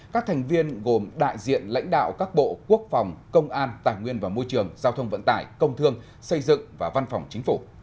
các thành viên gồm đại diện lãnh đạo các bộ quốc phòng công an tài nguyên và môi trường giao thông vận tải công thương xây dựng và văn phòng chính phủ